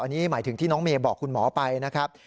อันนี้หมายถึงที่น้องเมย์บอกคุณหมอไปนะครับ